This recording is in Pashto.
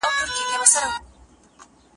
کندارۍ ملالې شین ارغند وچ شوی